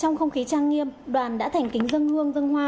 trong không khí trang nghiêm đoàn đã thành kính dân hương dân hoa